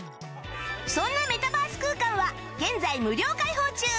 そんなメタバース空間は現在無料開放中